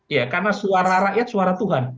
ya karena suara rakyat suara tuhan